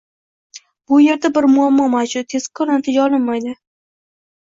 Bu yerda bir muammo mavjud – tezkor natija olinmaydi.